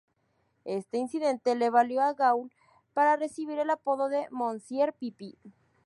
Este incidente le valió a Gaul para recibir el apodo de "Monsieur Pipi".